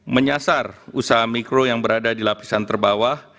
menyasar usaha mikro yang berada di lapisan terbawah